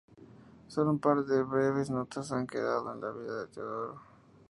Solo un par de breves notas han quedado de la vida de Teodoro.